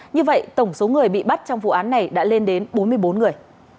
như vậy tổng số người bị bắt trong vụ án này đã lên đến bốn mươi bốn người